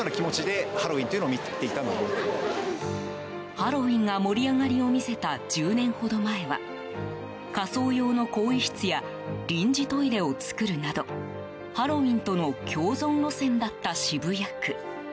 ハロウィーンが盛り上がりを見せた１０年ほど前は仮装用の更衣室や臨時トイレを作るなどハロウィーンとの共存路線だった渋谷区。